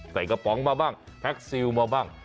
กระป๋องมาบ้างแพ็คซิลมาบ้าง